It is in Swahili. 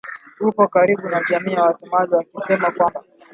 upo karibu na jamii ya wasomali akisema kwamba